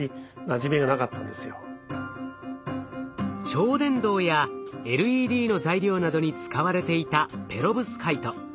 超電導やＬＥＤの材料などに使われていたペロブスカイト。